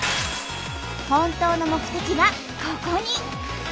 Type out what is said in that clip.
本当の目的がここに！